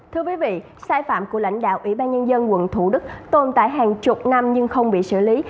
thưa quý vị sai phạm của lãnh đạo ủy ban nhân dân quận thủ đức tồn tại hàng chục năm nhưng không bị xử lý